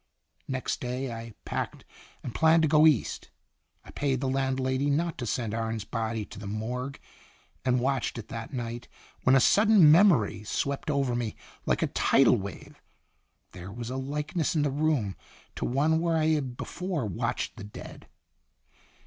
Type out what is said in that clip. Next day I packed and planned to go East. I paid the landlady not to send Arne's body to the morgue, and watched it that night, when a sudden memory swept over me like a tidal wave. There was a likeness in the room to one where I had before watched the dead.